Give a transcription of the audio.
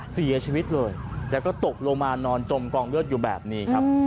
เสียชีวิตเลยแล้วก็ตกลงมานอนจมกองเลือดอยู่แบบนี้ครับ